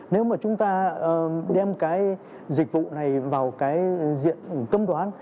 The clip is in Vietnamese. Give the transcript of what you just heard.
nếu mà chúng ta đem dịch vụ này vào diện cấm đoán